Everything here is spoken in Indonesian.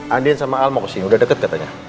andien sama alma mau kesini udah deket katanya